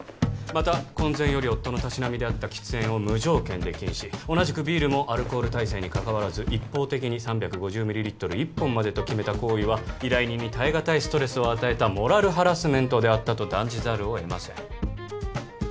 また婚前より夫のたしなみであった喫煙を無条件で禁止同じくビールもアルコール耐性にかかわらず一方的に３５０ミリリットル一本までと決めた行為は依頼人に耐え難いストレスを与えたモラルハラスメントであったと断じざるを得ません